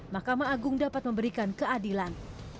mahkamah agung dapat memberikan keadilan